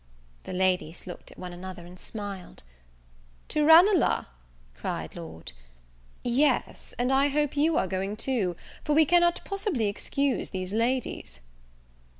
The ladies looked at one another, and smiled. "To Ranelagh?" cried Lord , "yes, and I hope you are going too; for we cannot possibly excuse these ladies."